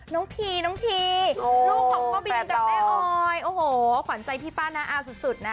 น้องภีร์น้องภีร์ลูกของแม่ออยโอ้โหขวัญใจพี่ป้าน่าอ่าสุดสุดนะ